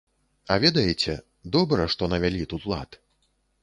А ведаеце, добра, што навялі тут лад.